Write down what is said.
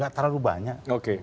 gak terlalu banyak